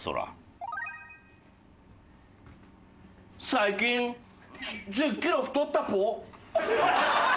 最近１０キロ太ったぽ。